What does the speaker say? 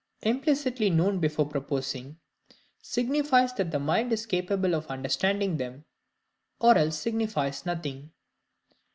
Implicitly known before proposing, signifies that the Mind is capable of understanding them, or else signifies nothing.